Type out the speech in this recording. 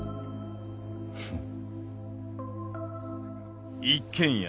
フッ。